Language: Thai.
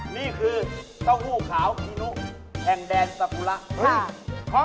นี่คือเต้าหู้ขาวคีนุแห่งแดนสกุระ